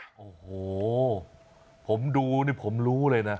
โอ้โฮผมดูผมรู้เลยนะ